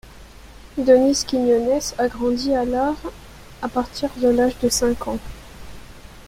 Denise Quiñones a grandi à Lares à partir de l'âge de cinq ans.